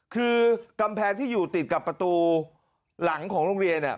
คือกำแพงที่อยู่ติดกับประตูหลังของโรงเรียนเนี่ย